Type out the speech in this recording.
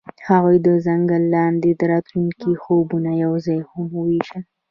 هغوی د ځنګل لاندې د راتلونکي خوبونه یوځای هم وویشل.